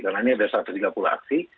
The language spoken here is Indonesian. karena ini ada satu ratus tiga puluh aksi